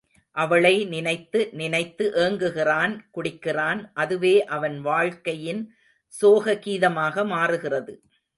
அவளை நினைத்து நினைத்து ஏங்குகிறான் குடிக்கிறான் அதுவே அவன் வாழ்க்கையின் சோக கீதமாக மாறுகிறது.